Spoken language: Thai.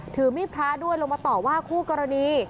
ถือมีดพระด้วยลงมาต่อว่าคู่กรณี